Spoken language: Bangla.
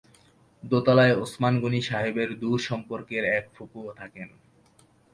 দোতলায় ওসমান গনি সাহেবের দূর সম্পর্কের এক ফুপূও থাকেন।